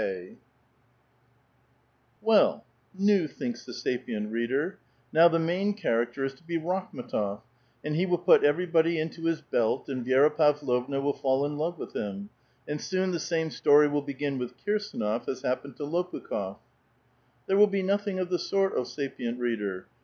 XXX. " Well [nuiy^ thinks the sapient reader, " now the main character is to be Rakhm^tof; and he will put ev^erybody hito his belt, and Vi^ra Pavlovna will fall in love with him ; and soon the same story will begin with Kirsduof as happened to Lopukh6f." There will be nothing of the sort, O sapient reader.